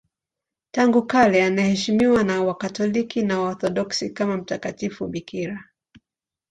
Tangu kale anaheshimiwa na Wakatoliki na Waorthodoksi kama mtakatifu bikira.